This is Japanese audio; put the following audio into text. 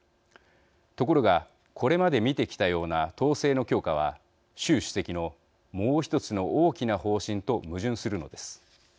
ところがこれまで見てきたような統制の強化は習主席のもう１つの大きな方針と矛盾するのです。